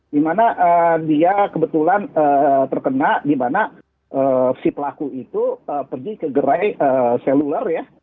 dimana dia kebetulan terkena di mana si pelaku itu pergi ke gerai seluler ya